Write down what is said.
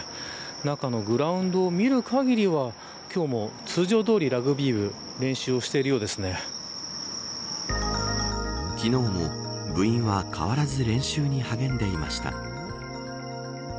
中のグラウンドを見る限りでは今日も通常どおりラグビー部昨日も、部員は変わらず練習に励んでいました。